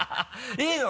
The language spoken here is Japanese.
いいの？